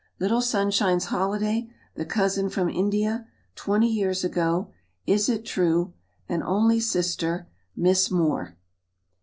Little Sunshine's Holiday. The Cousin from India. Twenty Years Ago. Is it True? An Only Sister. Miss Moore.